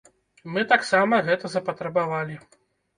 Мы таксама гэта запатрабавалі.